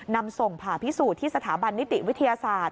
นำส่งผ่าพิสูจน์ที่สถาบันนิติวิทยาศาสตร์